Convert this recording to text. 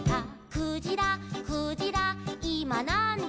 「クジラクジラいまなんじ」